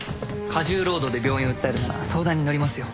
過重労働で病院を訴えるなら相談に乗りますよ。